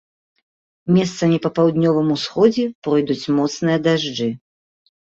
Месцамі па паўднёвым усходзе пройдуць моцныя дажджы.